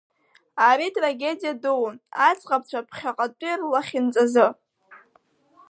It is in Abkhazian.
Ари трагедиа дуун аӡӷабцәа ԥхьаҟатәи рлахьынҵазы.